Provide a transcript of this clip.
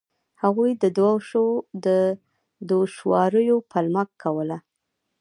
هغوی د دوشواریو پلمه کوله.